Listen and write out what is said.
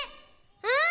うん！